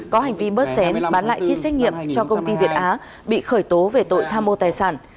có hành vi bớt xén bán lại kit xét nghiệm cho công ty việt á bị khởi tố về tội tham mô tài sản